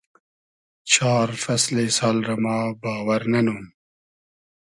چار فئسلی سال رۂ ما باوئر نئنوم